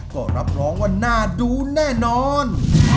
ก็รับรองว่าน่าดูแน่นอน